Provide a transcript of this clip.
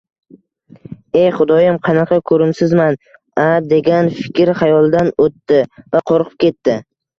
Ey xudoyim, qanaqa koʻrimsizman-a, degan fikr xayolidan oʻtdi va qoʻrqib ketdi